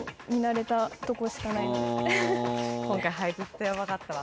今回絶対分かったわ